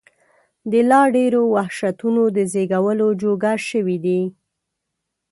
د لا ډېرو وحشتونو د زېږولو جوګه شوي دي.